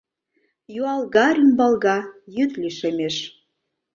Юалга, рӱмбалга, йӱд лишемеш.